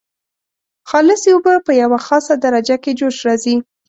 خالصې اوبه په یوه خاصه درجه کې جوش راځي.